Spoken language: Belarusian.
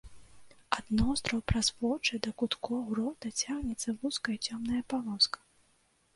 Ад ноздраў праз вочы да куткоў рота цягнецца вузкая цёмная палоска.